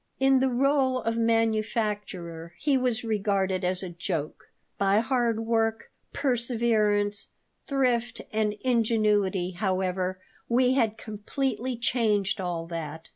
In the rôle of manufacturer he was regarded as a joke. By hard work, perseverance, thrift, and ingenuity, however, we had completely changed all that.